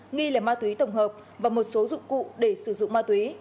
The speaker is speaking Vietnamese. nghi là ma túy tổng hợp và một số dụng cụ để sử dụng ma túy